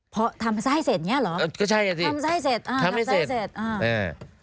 เพราะทำให้เสร็จเนี่ยหรอก็ใช่น่ะสิทำให้เสร็จอ่าทำให้เสร็จอ่า